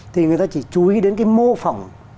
thì người ta chỉ chú ý đến cái mô phỏng